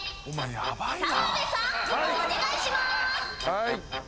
はい。